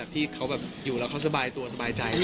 ที่เขาอยู่แล้วเขาสบายตัวสบายใจ